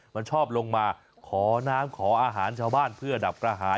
มันชอบลงมาขอน้ำขออาหารชาวบ้านเพื่อดับกระหาย